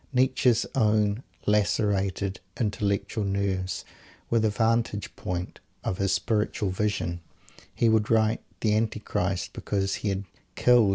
Nietzsche's own lacerated "intellectual nerves" were the vantage ground of his spiritual vision. He could write "the Antichrist" because he had "killed."